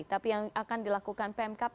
tapi yang akan dilakukan pemkap